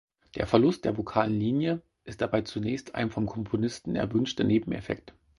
Der Verlust der vokalen Linie ist dabei zunächst ein vom Komponisten erwünschter Nebeneffekt.